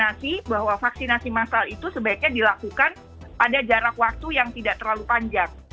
jadi kami berpikir bahwa vaksinasi massal itu sebaiknya dilakukan pada jarak waktu yang tidak terlalu panjang